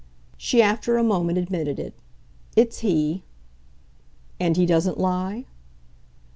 She after a moment admitted it. "It's he." "And he doesn't lie?"